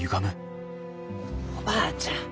おばあちゃん